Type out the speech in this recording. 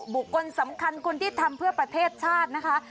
บุคคลสำคัญคนที่ทำเพื่อประเทศชาตินะคะ